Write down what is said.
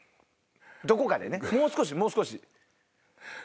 どこかでねもう少しもう少し。